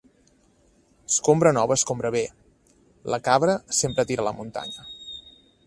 Escombra nova escombra bé. La cabra sempre tira a la muntanya.